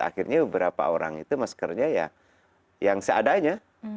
akhirnya beberapa orang itu maskernya ya yang seadanya